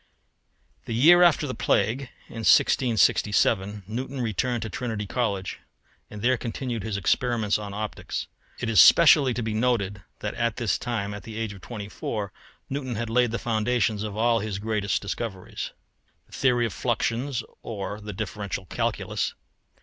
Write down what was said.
The year after the plague, in 1667, Newton returned to Trinity College, and there continued his experiments on optics. It is specially to be noted that at this time, at the age of twenty four, Newton had laid the foundations of all his greatest discoveries: [Illustration: FIG. 66. Newton's telescope.] The Theory of Fluxions; or, the Differential Calculus.